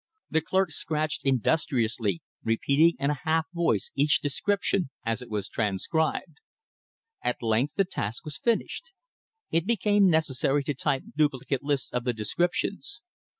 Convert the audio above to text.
The clerk scratched industriously, repeating in a half voice each description as it was transcribed. At length the task was finished. It became necessary to type duplicate lists of the descriptions.